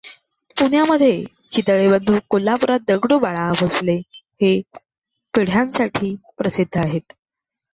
पुण्यामधे चितळे बंधू, कोल्हापुरात दगडू बाळा भोसले हे पेढ्यांसाठी प्रसिद्ध आहेत.